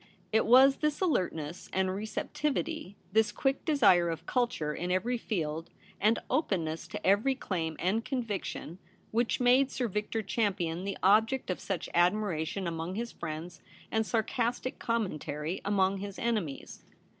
It was this alertness and receptivity, this VOL. I. 17 258 THE REBEL ROSE. quick desire of culture in every field, and openness to every claim and conviction, which made Sir Victor Champion the object of such admiration among his friends and sarcastic commentary among his enemies.